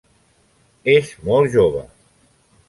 És molt jove.